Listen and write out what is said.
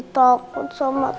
tante dewi dimana ya